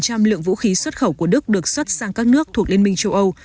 gần chín mươi lượng vũ khí xuất khẩu của đức được xuất sang các nước thuộc liên minh châu âu